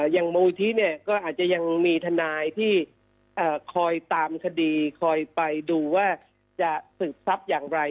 อย่างมูลที่เนี่ยก็อาจจะยังมีทนายที่คอยตามคดีคอยไปดูว่าจะศึกทรัพย์อย่างไร